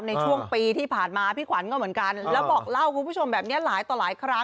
ในช่วงปีที่ผ่านมาพี่ขวัญก็เหมือนกันแล้วบอกเล่าคุณผู้ชมแบบนี้หลายต่อหลายครั้ง